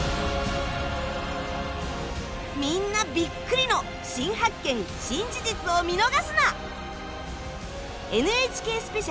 みんなビックリの新発見・新事実を見逃すな！